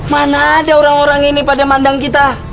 mana ada orang orang ini pada mandang kita